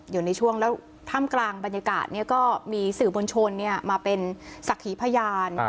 อยู่ในช่วงแล้วท่ามกลางบรรยากาศเนี่ยก็มีสื่อบรรชนเนี่ยมาเป็นสัขหิพยาน